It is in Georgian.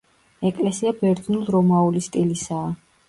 ეკლესია ბერძნულ-რომაული სტილისაა.